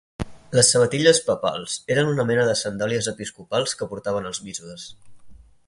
Les sabatilles papals eren una mena de sandàlies episcopals que portaven els bisbes.